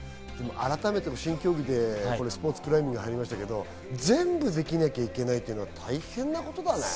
改めて、新競技でスポーツクライミングが入りましたけど、全部できなきゃいけないっていうのは大変なことだね。